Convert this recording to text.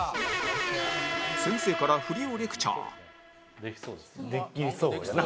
先生から振りをレクチャー